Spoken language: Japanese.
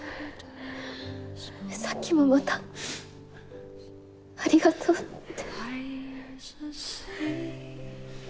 さっきもまた「ありがとう」って。